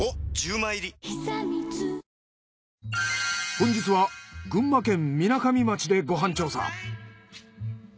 本日は群馬県みなかみ町でご飯調査。